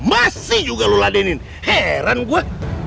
masih juga lu ladenin heran gua